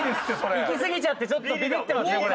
いきすぎちゃってちょっとビビってますよこれ。